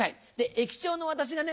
駅長の私がね